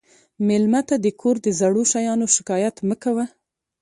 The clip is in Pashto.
مېلمه ته د کور د زړو شیانو شکایت مه کوه.